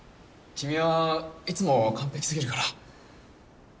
君はいつも完璧過ぎるから。